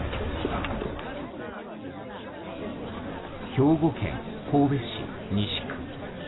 兵庫県神戸市西区。